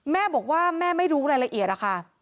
แม่บอกว่าแม่ไม่รู้รายละเอียดนะคะ